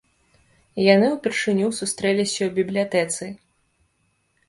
Яны ўпершыню сустрэліся ў бібліятэцы.